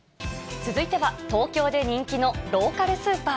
続いては、東京で人気のローカルスーパー。